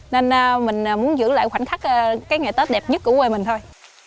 nên mình muốn giữ lại khoảnh khắc cái ngày tết đẹp nhất của quê mình thôi